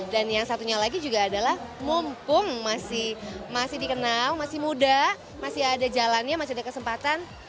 dan yang satunya lagi juga adalah mumpung masih dikenal masih muda masih ada jalannya masih ada kesempatan